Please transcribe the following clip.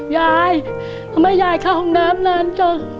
ยายทำไมยายเข้าห้องน้ำนานจัง